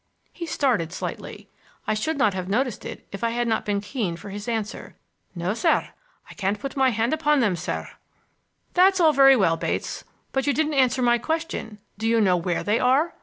He started slightly. I should not have noticed it if I had not been keen for his answer. "No, sir. I can't put my hand upon them, sir." "That's all very well, Bates, but you didn't answer my question. Do you know where they are?